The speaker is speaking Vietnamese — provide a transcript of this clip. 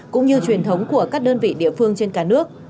cũng như truyền thống của các đơn vị địa phương trên cả nước